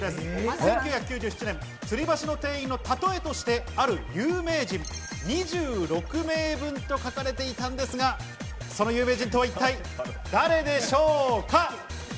１９９７年、つり橋の定員の例えとしてある有名人２６名分と書かれていたのですが、その有名人とは一体、誰でしょうか？